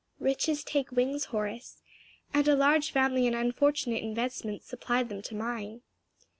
"Riches take wings, Horace, and a large family and unfortunate investments supplied them to mine."